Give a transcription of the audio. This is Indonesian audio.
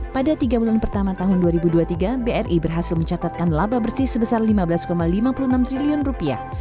pada tiga bulan pertama tahun dua ribu dua puluh tiga bri berhasil mencatatkan laba bersih sebesar lima belas lima puluh enam triliun rupiah